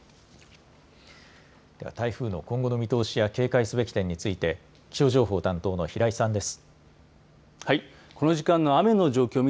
では台風の今後の見通しや警戒すべき点についてでは気象情報担当の平井さんです。